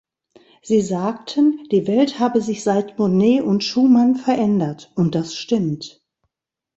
Sie sagten, die Welt habe sich seit Monnet und Schuman verändert, und das stimmt.